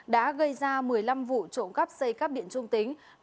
đã gây ra một mươi năm vụ trộm cắp xây cắp điện trung tính